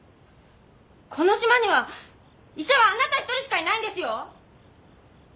この島には医者はあなた１人しかいないんですよ！